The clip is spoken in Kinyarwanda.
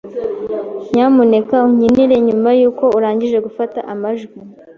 Nyamuneka unkinire nyuma yuko urangije gufata amajwi.